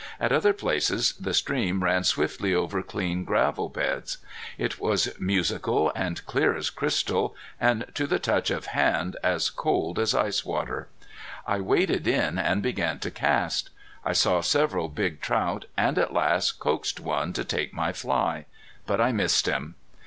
At other places the stream ran swiftly over clean gravel beds. It was musical and clear as crystal, and to the touch of hand, as cold as ice water. I waded in and began to cast. I saw several big trout, and at last coaxed one to take my fly. But I missed him.